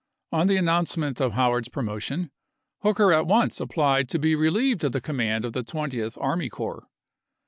On the announcement of Howard's promotion, Hooker at once applied to be relieved of the command of the Twentieth Army Corps.